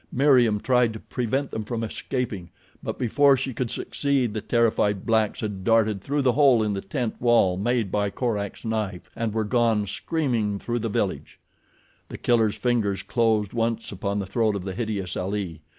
Meriem tried to prevent them from escaping; but before she could succeed the terrified blacks had darted through the hole in the tent wall made by Korak's knife, and were gone screaming through the village. The Killer's fingers closed once upon the throat of the hideous Ali.